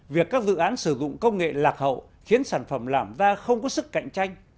việc các dự án sử dụng công nghệ lạc hậu khiến sản phẩm làm ra không có sức cạnh tranh